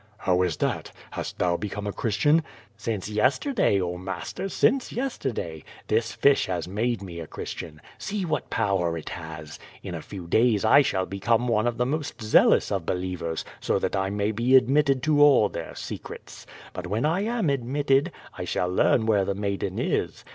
'^ow is that? Hast thou become a Christian?" "Since yesterday, oh, master, since yesterday. This fish has made me a Christian. See what power it has. In a few days I shall become one of the most zealous of believers, so QUO VADI8. 121 that I may be admitted to all their secrets. But when I am admitted, I shall learn where the maiden is.